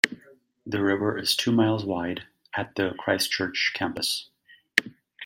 The river is two miles wide at the Christchurch campus.